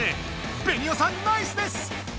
ベニオさんナイスです！